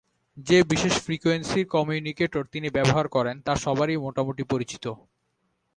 যে বিশেষ ফ্রিকোয়েন্সির কম্যুনিকেটর তিনি ব্যবহার করেন তা সবারই মোটামুটি পরিচিত।